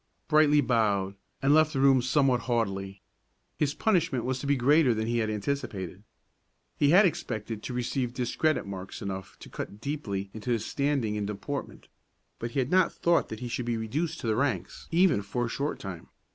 Brightly bowed, and left the room somewhat haughtily. His punishment was to be greater than he had anticipated. He had expected to receive discredit marks enough to cut deeply into his standing in deportment; but he had not thought that he should be reduced to the ranks, even for a short time.